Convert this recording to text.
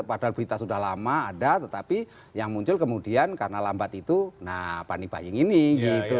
padahal berita sudah lama ada tetapi yang muncul kemudian karena lambat itu nah pani buying ini gitu